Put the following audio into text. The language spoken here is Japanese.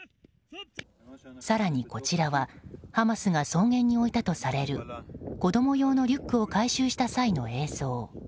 更にこちらはハマスが草原に置いたとされる子供用のリュックを回収した際の映像。